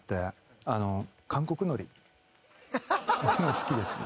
好きですね。